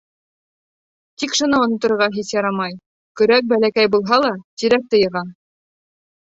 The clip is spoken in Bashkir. Тик шуны оноторға һис ярамай: көрәк бәләкәй булһа ла, тирәкте йыға.